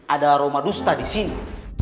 ada aroma dusta disini